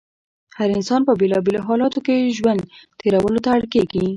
هر انسان په بېلا بېلو حالاتو کې ژوند تېرولو ته اړ کېږي.